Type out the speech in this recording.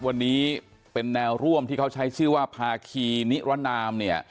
วันนี้เป็นแนวร่วมที่เขาใช้ชื่อว่าภาคีนิรนามเนี่ย